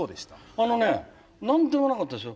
あのね何でもなかったですよ。